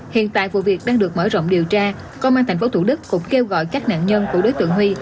hiện tại vụ việc đang được mở rộng điều tra công an tp thủ đức cũng kêu gọi các nạn nhân của đối tượng huy